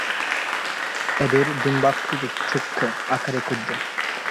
এদের ডিম্বাকৃতির চক্ষু আকারে ক্ষুদ্র।